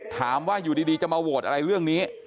ถามว่าอยู่ดีจะมาโหวตอะไรเรื่องนี้